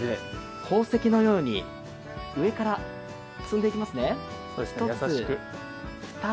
宝石のように上からつんでいきますね。